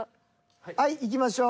はいいきましょう。